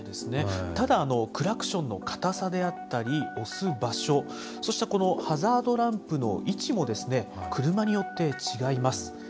ただ、クラクションの硬さであったり押す場所、そしてハザードランプの位置も車によって違います。